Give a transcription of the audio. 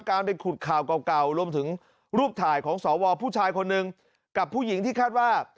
การไปขุดข่าวเก่ารวมถึงรูปถ่ายของสวผู้ชายคนหนึ่งกับผู้หญิงที่คาดว่า